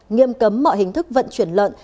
nghiêm cấm mọi hình thức vận chuyển lợn